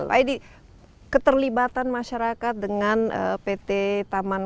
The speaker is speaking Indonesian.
pak edi keterlibatan masyarakat dengan pt taman nasional